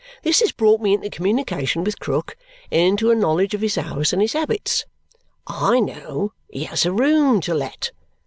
This has brought me into communication with Krook and into a knowledge of his house and his habits. I know he has a room to let.